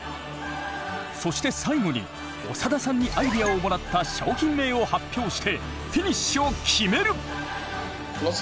そして最後に長田さんにアイデアをもらった商品名を発表してフィニッシュを決める！